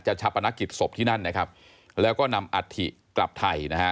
ชาปนกิจศพที่นั่นนะครับแล้วก็นำอัฐิกลับไทยนะฮะ